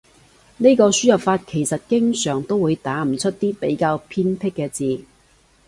呢個輸入法其實經常都會打唔出啲比較偏僻嘅字